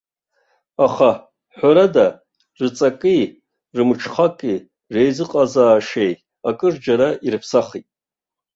Аха, ҳәарада, рҵаки, рымҽхаки реизыҟазаашьеи акырџьара ирыԥсахит.